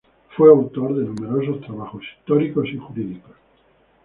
Fue autor de numerosos trabajos históricos y jurídicos.